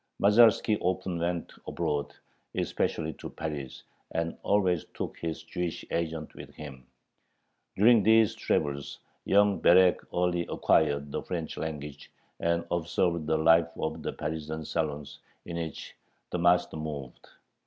Masalski often went abroad, especially to Paris, and always took his Jewish agent with him. During these travels young Berek early acquired the French language, and observed the life of the Parisian salons in which the master moved.